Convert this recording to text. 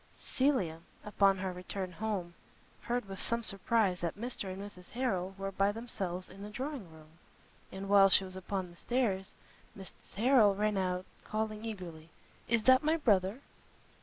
Cecilia, upon her return home, heard with some surprise that Mr and Mrs Harrel were by themselves in the drawing room; and, while she was upon the stairs, Mrs Harrel ran out, calling eagerly, "Is that my brother?"